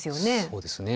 そうですね。